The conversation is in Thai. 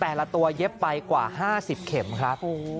แต่ละตัวเย็บไปกว่า๕๐เข็มครับ